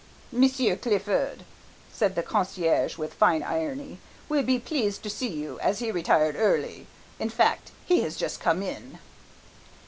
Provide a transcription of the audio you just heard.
"Monsieur Clifford," said the concierge with fine irony, "will be pleased to see you, as he retired early; in fact he has just come in."